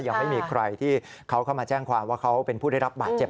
ยังไม่มีใครที่เขาเข้ามาแจ้งความว่าเขาเป็นผู้ได้รับบาดเจ็บ